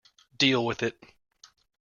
Deal with it!